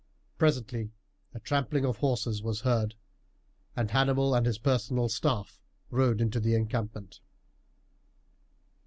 Presently a trampling of horses was heard, and Hannibal and his personal staff rode into the encampment.